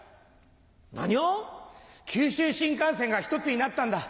何を⁉九州新幹線が１つになったんだ。